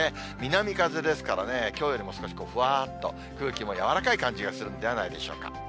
南風ですからね、きょうよりも少し、ふわーっと、空気も柔らかい感じがするのではないでしょうか。